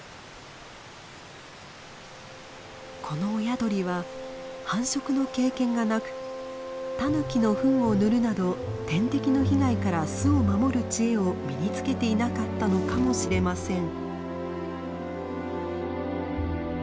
この親鳥は繁殖の経験がなくタヌキのフンを塗るなど天敵の被害から巣を守る知恵を身につけていなかったのかもしれません。